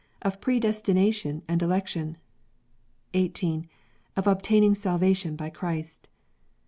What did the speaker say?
Of Predestination and Election. 18. Of obtaining Salvation by Christ.